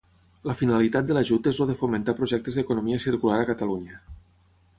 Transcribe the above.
La finalitat de l'ajut és el de fomentar projectes d'economia circular a Catalunya.